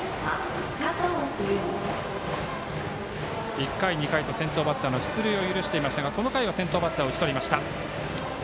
１回、２回と先頭バッターの出塁を許していましたがこの回は先頭バッターを打ち取りました。